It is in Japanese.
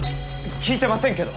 聞いてませんけど。